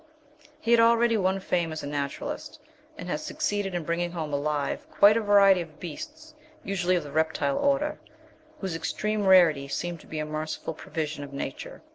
He had already won fame as a naturalist, and had succeeded in bringing home alive quite a variety of beasts, usually of the reptile order, whose extreme rarity seemed to me a merciful provision of Nature.